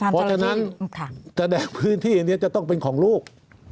เพราะฉะนั้นแสดงพื้นที่อันนี้จะต้องเป็นของลูก